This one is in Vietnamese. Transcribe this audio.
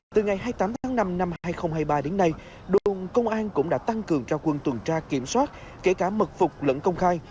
từ ngày hai mươi tám tháng năm năm hai nghìn hai mươi ba đến nay đồn công an cũng đã tăng cường trao quân tuần tra kiểm soát kể cả mật phục lẫn công khai